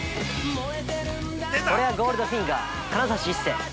◆俺はゴールドフィンガー金指一世。